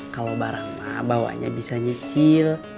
kalau barang mah bawanya bisa nyicil